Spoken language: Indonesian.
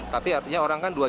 tapi artinya orang kan dua juta